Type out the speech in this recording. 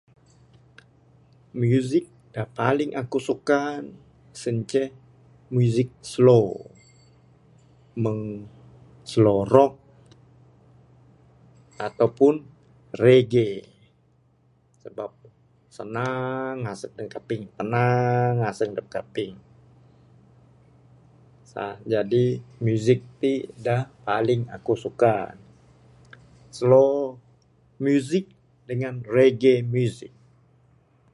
Musik da paling aku'k suka sien ceh, musik slow mung slow rock atau pun reggae sebab senang asung dup ngkaping, tenang asung dup ngkaping. uhh jadi musik ti da paling aku'k suka. Slow musik dengan reggae musik.